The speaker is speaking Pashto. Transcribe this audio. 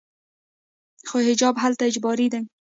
خو حجاب هلته اجباري دی.